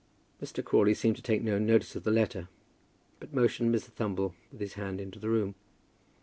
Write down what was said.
Mr. Crawley seemed to take no notice of the letter, but motioned Mr. Thumble with his hand into the room.